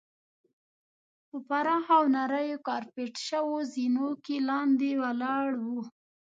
په پراخو او نریو کارپیټ شوو زینو کې لاندې ولاړو.